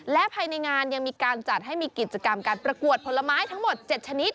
และภายในงานยังมีการจัดให้มีกิจกรรมการประกวดผลไม้ทั้งหมด๗ชนิด